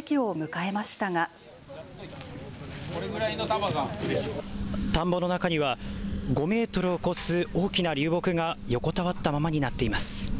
こちらの田んぼ、田んぼの中には、５メートルを超す大きな流木が横たわったままになっています。